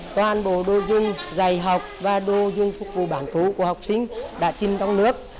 toàn bộ đô dung giày học và đô dung phục vụ bản phú của học sinh đã chìm trong nước